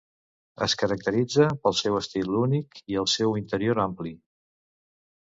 Es caracteritza pel seu estil únic i el seu interior ampli.